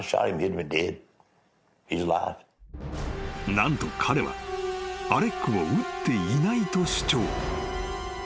［何と彼はアレックを撃っていないと主張］